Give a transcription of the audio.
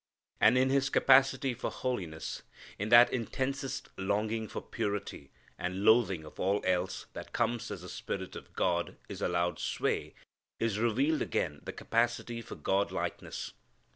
And in his capacity for holiness, in that intensest longing for purity, and loathing of all else, that comes as the Spirit of God is allowed sway, is revealed again the capacity for God likeness.